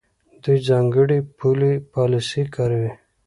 دوی ځانګړې پولي پالیسۍ کاروي.